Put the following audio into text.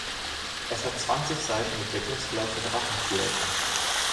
Es hat zwanzig Seiten mit deckungsgleichen Drachenvierecken.